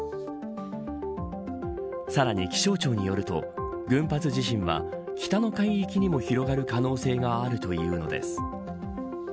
さらに、気象庁によると群発地震は北の海域にも広がる可能性があるというのです。